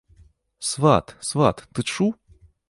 Сват, сват, ты чуў?